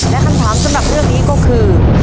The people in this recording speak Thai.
และคำถามสำหรับเรื่องนี้ก็คือ